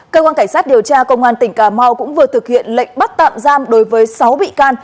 cơ quan cảnh sát điều tra công an tỉnh cà mau cũng vừa thực hiện lệnh bắt tạm giam đối với sáu bị can